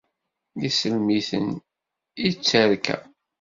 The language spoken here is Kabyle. Isellem-iten i tterka.